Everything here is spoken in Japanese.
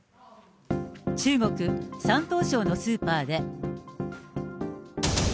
中国・山東省のスーパーで。